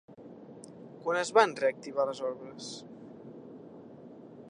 Quan es van reactivar les obres?